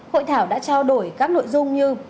hội thảo đã trao đổi các nội dung như